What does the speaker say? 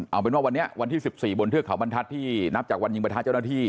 เอาเป็นว่าวันนี้วันที่๑๔บนเทือกเขาบรรทัศน์ที่นับจากวันยิงประทัดเจ้าหน้าที่